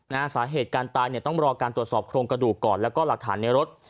สาเหตุการตายเนี่ยต้องรอการตรวจสอบโครงกระดูกก่อนแล้วก็หลักฐานในรถ